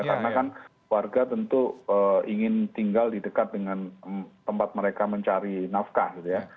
karena kan warga tentu ingin tinggal di dekat dengan tempat mereka mencari nafkah gitu ya